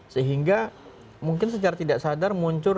sehingga mungkin secara tidak sadar muncul